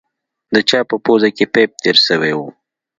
د چا په پوزه کښې پيپ تېر سوى و.